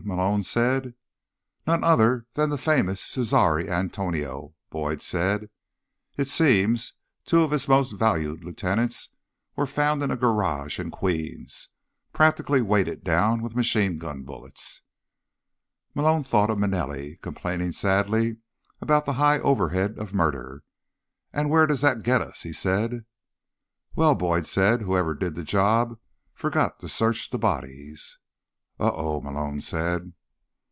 Malone said. "None other than the famous Cesare Antonio," Boyd said. "It seems two of his most valued lieutenants were found in a garage in Queens, practically weighted down with machine gun bullets." Malone thought of Manelli, complaining sadly about the high overhead of murder. "And where does that get us?" he said. "Well," Boyd said, "whoever did the job forgot to search the bodies." "Oh oh," Malone said.